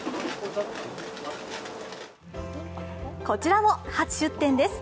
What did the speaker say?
こちらも初出店です。